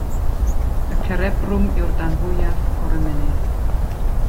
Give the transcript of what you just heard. Y cerebrwm yw'r darn fwyaf o'r ymennydd.